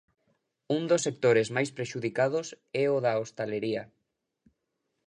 Un dos sectores máis prexudicados é o da hostalería.